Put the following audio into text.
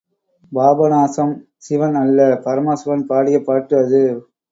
பாபநாசம் சிவன் அல்ல பரமசிவன் பாடிய பாட்டு அது.